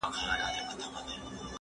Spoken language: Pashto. غټ منګول تېره مشوکه په کارېږي.